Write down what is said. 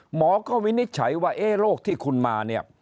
หมอก็วินิจฉัยว่าโรคที่คุณมาเนี่ย